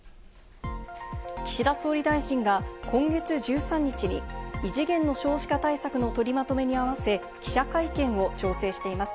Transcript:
岸田総理大臣が今月１３日に異次元の少子化対策の取りまとめに合わせ、記者会見を調整しています。